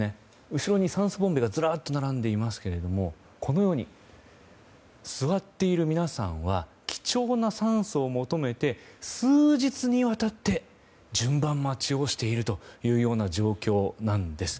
後ろに酸素ボンベがずらっと並んでいますがこのように座っている皆さんは貴重な酸素を求めて数日にわたって順番待ちをしているという状況なんです。